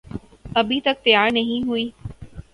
ابھی تک تیار نہیں ہوئیں؟